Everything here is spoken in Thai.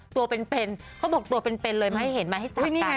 ตัวเป็นเขาบอกตัวเป็นเลยมาให้เห็นมาให้จับกัน